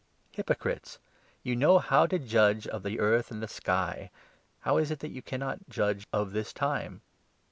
Hypocrites! You know how to 56 judge of the earth and the sky; how is it, then, that you cannot judge of this time